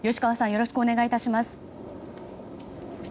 よろしくお願いします。